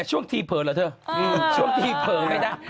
ช่วงที่เผลอไม่ได้